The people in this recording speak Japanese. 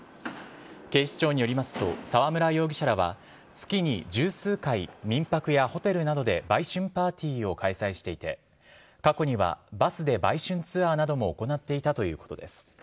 警視庁によりますと、沢村容疑者らは月に十数回、民泊やホテルなどで売春パーティーを開催していて、過去にはバスで売春ツアーなどを行っていたということです。